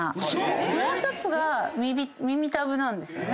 もう１つが耳たぶなんですよね。